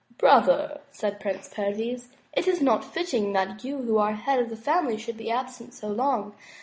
"Brother," said Prince Perviz," it is not fitting that you who are the head of the family should be absent so long.